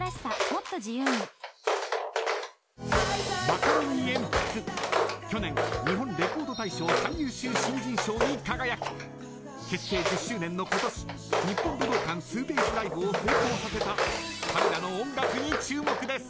マカロニえんぴつ去年日本レコード大賞最優秀新人賞に輝き結成１０周年の今年日本武道館２ｄａｙｓライブを成功させた彼らの音楽に注目です。